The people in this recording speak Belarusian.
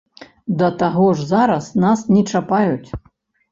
Да таго ж зараз нас не чапаюць.